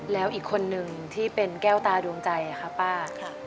แล้วอีกคนนึงที่เป็นแก้วตาดวงใจค่ะป้า